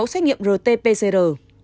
xét nghiệm rt pcr